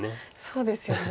そうですよね。